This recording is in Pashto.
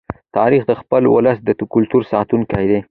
تاریخ د خپل ولس د کلتور ساتونکی دی.